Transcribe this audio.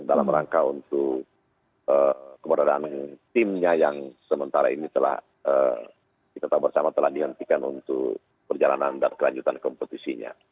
dalam rangka untuk keberadaan timnya yang sementara ini telah kita tahu bersama telah dihentikan untuk perjalanan dan kelanjutan kompetisinya